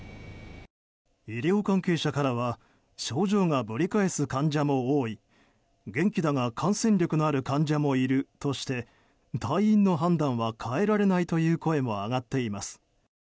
医療関係者からは症状がぶり返す患者も多い元気だが感染力のある患者もいるとして退院の判断は変えられないという声も上がっています。